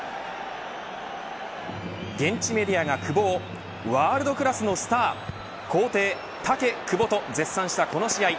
現地メディアが久保をワールドクラスのスター皇帝タケ・クボと絶賛したこの試合。